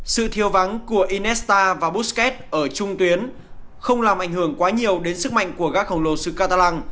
sự thiêu vắng của iniesta và busquets ở trung tuyến không làm ảnh hưởng quá nhiều đến sức mạnh của các khổng lồ sư catalan